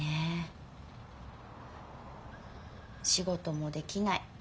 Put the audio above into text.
仕事もできない。